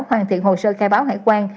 hoàn thiện hồ sơ khai báo hải quan